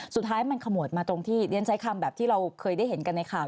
สุดท้ายมันขมวดมาตรงที่เรียนใช้คำแบบที่เราเคยได้เห็นกันในข่าว